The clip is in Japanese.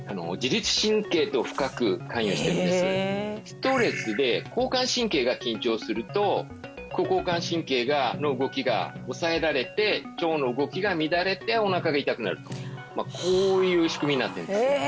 ストレスで交感神経が緊張すると副交感神経の動きが抑えられて腸の動きが乱れてお腹が痛くなるとまあこういう仕組みになってるんですへえ